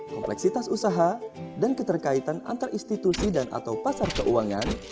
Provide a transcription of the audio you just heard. kompleksitas usaha dan keterkaitan antar institusi dan atau pasar keuangan